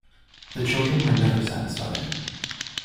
The children were never satisfied.